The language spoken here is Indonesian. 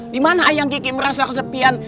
dimana ayam kiki merasa kesepian